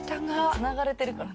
つながれてるから。